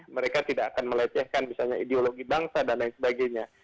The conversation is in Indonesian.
mereka tidak akan melecehkan misalnya ideologi bangsa dan lain sebagainya